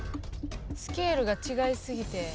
スケールが違い過ぎて。